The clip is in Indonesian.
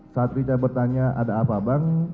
saat richard bertanya ada apa bang